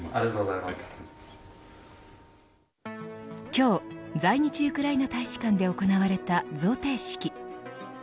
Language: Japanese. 今日、在日ウクライナ大使館で行われた贈呈式。